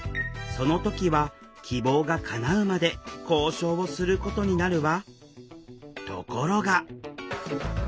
その時は希望がかなうまで交渉をすることになるわ。